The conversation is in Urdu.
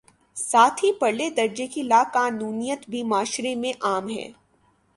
ساتھ ہی پرلے درجے کی لا قانونیت بھی معاشرے میں عام ہے۔